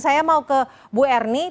saya mau ke bu erni